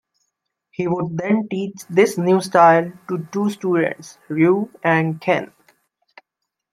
He would then teach this new style to two students, Ryu and Ken.